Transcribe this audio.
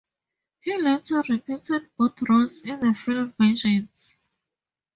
He later repeated both roles in the film versions.